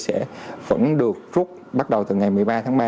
sẽ vẫn được rút bắt đầu từ ngày một mươi ba tháng ba